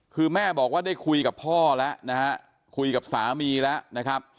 คือแม่บอกว่าได้คุยกับพ่อแล้วนะฮะคุยกับสามีแล้วนะครับ